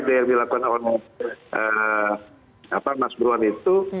yang dilakukan mas burhan itu